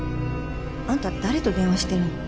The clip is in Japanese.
あんた誰と電話してるの？